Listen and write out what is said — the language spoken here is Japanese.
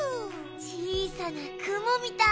ちいさなくもみたい。